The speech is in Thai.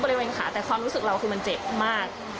แต่ความรู้สึกของเราคือมันเจ็บมาก